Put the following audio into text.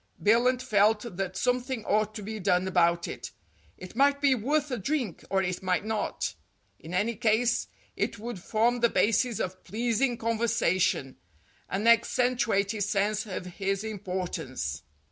Billunt felt that something ought to be done about it. It might be worth a drink, or it might not. In any case, it would form the basis of pleasing conversation, and accentuate his sense of his importance.